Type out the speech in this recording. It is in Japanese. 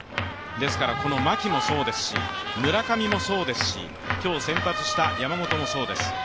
ですから牧もそうですし村上もそうですし今日先発した山本もそうです。